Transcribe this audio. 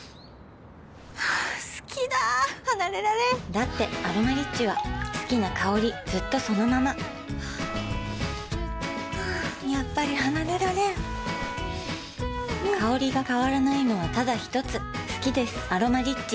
好きだ離れられんだって「アロマリッチ」は好きな香りずっとそのままやっぱり離れられん香りが変わらないのはただひとつ好きです「アロマリッチ」